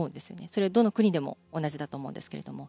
それはどの国でも同じだと思うんですけども。